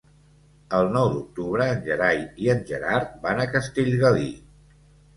El nou d'octubre en Gerai i en Gerard van a Castellgalí.